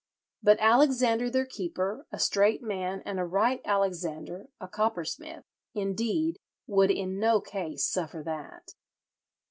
But Alexander their keeper, a strait man and a right Alexander, a coppersmith, indeed ... would in no case suffer that."